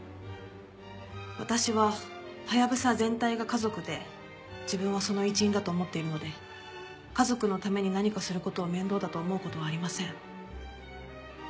私はハヤブサ全体が家族で自分はその一員だと思っているので家族のために何かする事を面倒だと思う事はありません。